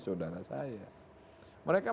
saudara saya mereka